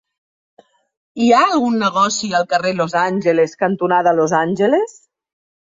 Hi ha algun negoci al carrer Los Angeles cantonada Los Angeles?